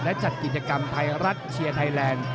และจัดกิจกรรมไทยรัฐเชียร์ไทยแลนด์